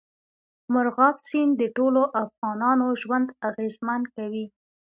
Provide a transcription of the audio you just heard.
مورغاب سیند د ټولو افغانانو ژوند اغېزمن کوي.